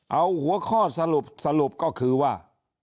เอาหัวข้อสรุปสรุปก็คือว่า